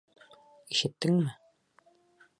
Ишеттеңме?